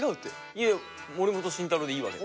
いや森本慎太郎でいいわけだから。